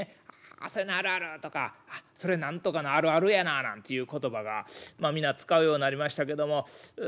「あそういうのあるある」とか「あっそれ何とかのあるあるやな」なんていう言葉が皆使うようになりましたけども。